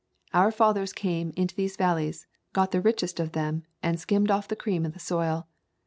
"Our fathers came into these valleys, got the richest of them, and skimmed off the cream of the soil.